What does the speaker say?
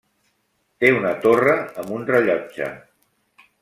Té una torre amb un rellotge.